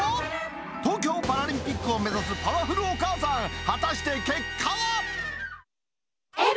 東京パラリンピックを目指すパワフルお母さん、果たして結果は。